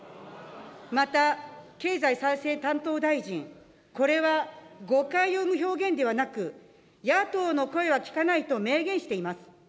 また経済再生担当大臣、これは誤解を生む表現ではなく、野党の声は聞かないと明言しています。